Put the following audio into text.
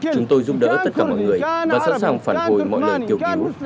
chúng tôi giúp đỡ tất cả mọi người và sẵn sàng phản hồi mọi lời kêu cứu